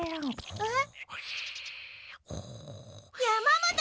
えっ！？